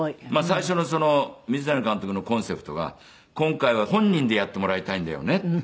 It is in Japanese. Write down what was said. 最初の水谷監督のコンセプトが今回は本人でやってもらいたいんだよねって。